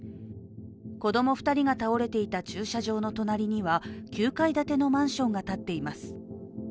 子供２人が倒れていた駐車場の隣には９階建てのマンションが立っています。